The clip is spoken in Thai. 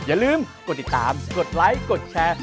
อย่าลืมกดติดตามกดไลค์กดแชร์